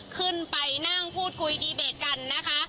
ขึ้นไปนั่งพูดคุยดีเบตกันนะคะ